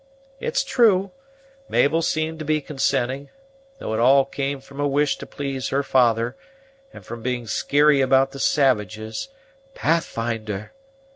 It's true, Mabel seemed to be consenting, though it all came from a wish to please her father, and from being skeary about the savages " "Pathfinder!"